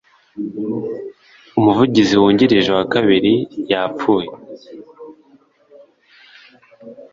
umuvugizi wungirije wa kabiri yapfuye.